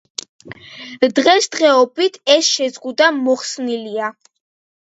დღესდღეობით ეს შეზღუდვა მოხსნილია.